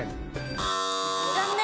残念。